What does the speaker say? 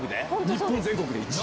日本全国で１位。